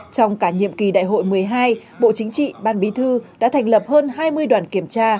trong cả nhiệm kỳ đại hội một mươi hai bộ chính trị ban bí thư đã thành lập hơn hai mươi đoàn kiểm tra